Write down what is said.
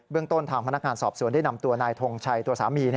ต้นทางพนักงานสอบสวนได้นำตัวนายทงชัยตัวสามี